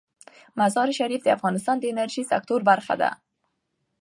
مزارشریف د افغانستان د انرژۍ سکتور برخه ده.